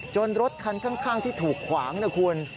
รถคันข้างที่ถูกขวางนะคุณ